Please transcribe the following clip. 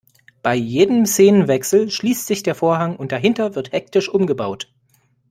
Bei jedem Szenenwechsel schließt sich der Vorhang und dahinter wird hektisch umgebaut.